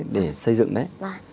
để xây dựng đấy